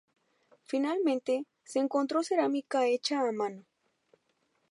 Finalmente, se encontró cerámica hecha a mano.